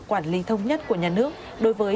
quản lý thống nhất của nhà nước đối với